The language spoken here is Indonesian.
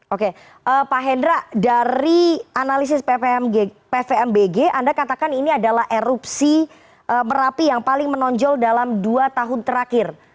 oke pak hendra dari analisis pvmbg anda katakan ini adalah erupsi merapi yang paling menonjol dalam dua tahun terakhir